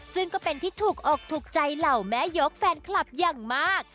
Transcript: ซึ่งก็เป็นที่ถูกอกถูกใจเหล่าแม่ยกแฟนคลับอย่างมาก